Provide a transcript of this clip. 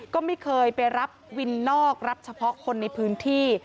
ก็ไม่เคยไปรับวินนอกรับเฉพาะคนในพื้นที่